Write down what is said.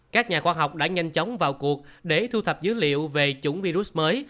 các nhà khoa học đã nhanh chóng vào cuộc để thu thập dữ liệu về chủng virus mới